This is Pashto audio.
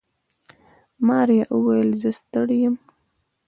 ماريا وويل زه ستړې يم.